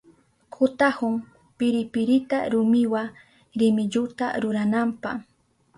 Kutahun piripirita rumiwa rimilluta rurananpa.